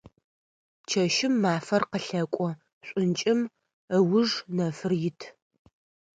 Чэщым мафэр къылъэкӏо, шӏункӏым ыуж нэфыр ит.